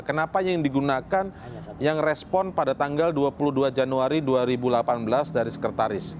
kenapanya yang digunakan yang respon pada tanggal dua puluh dua januari dua ribu delapan belas dari sekretaris